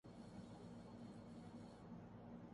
کیوں نہ فردوس میں دوزخ کو ملا لیں یارب!